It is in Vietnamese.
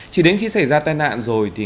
chỉ đến khi xảy ra tai nạn rồi